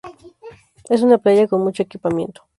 Es una playa con mucho equipamiento.